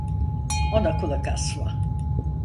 Ona kulak asma.